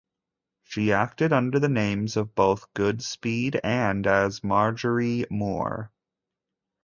She acted under the names of both Goodspeed and as Marjorie Moore.